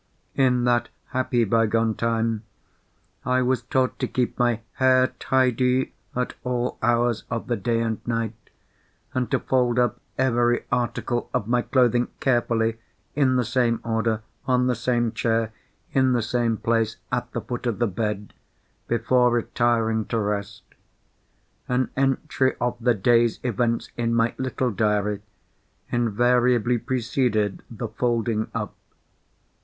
In that happy bygone time, I was taught to keep my hair tidy at all hours of the day and night, and to fold up every article of my clothing carefully, in the same order, on the same chair, in the same place at the foot of the bed, before retiring to rest. An entry of the day's events in my little diary invariably preceded the folding up.